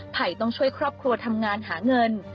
ไผ่ต้องช่วยครอบครัวทำงานหาเงิน